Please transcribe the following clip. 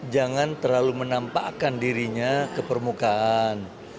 jangan terlalu menampakkan dirinya ke permukaan